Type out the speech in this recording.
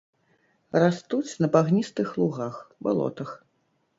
Растуць на багністых лугах, балотах.